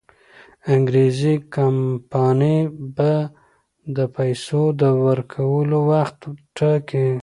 انګریزي کمپانۍ به د پیسو د ورکولو وخت ټاکي.